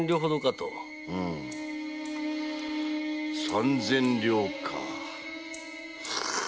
三千両か。